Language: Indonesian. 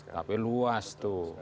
tapi luas tuh